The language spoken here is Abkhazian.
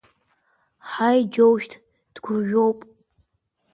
Ҳаи, џьоушьт, дгәырҩоуп.